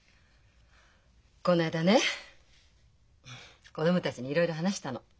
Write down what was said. こないだね子供たちにいろいろ話したの。